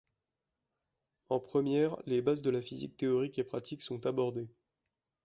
En première, les bases de la physique théorique et pratique sont abordées.